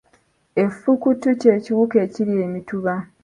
Effukutu kye kiwuka ekirya emituba.